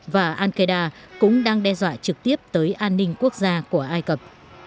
và al qaeda cũng đang đe dọa trực tiếp tới an ninh quốc gia của ai cập